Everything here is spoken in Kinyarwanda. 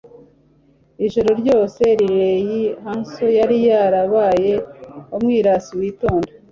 Ijoro ryose Riley Hanson yari yarabaye umwirasi witonda